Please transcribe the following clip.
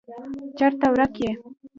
چیرته ورک یې.